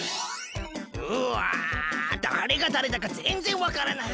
うわだれがだれだかぜんぜんわからない。